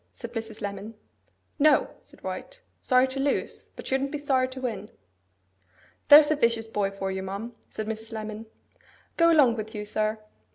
said Mrs. Lemon. 'No,' said White. 'Sorry to lose, but shouldn't be sorry to win.' 'There's a vicious boy for you, ma'am,' said Mrs. Lemon. 'Go along with you, sir.